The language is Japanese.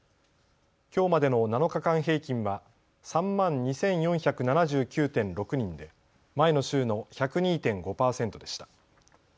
きょうまでの７日間平均は３万２４７９．６人で前の週の１０２．５％でした。